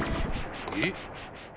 えっ！